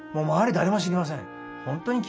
誰も知りません。